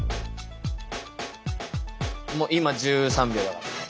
もう今１３秒だから。